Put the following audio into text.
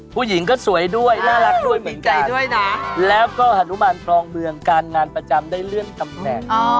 ผู้หญิงก็สวยด้วยน่ารักด้วยมีใจด้วยนะแล้วก็ฮานุมานครองเมืองการงานประจำได้เลื่อนตำแหน่ง